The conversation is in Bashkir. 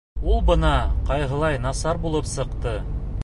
Ә ул бына ҡайһылай насар булып сыҡты!..